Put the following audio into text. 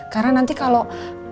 karena nanti kalau